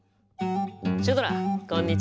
シュドラこんにちは！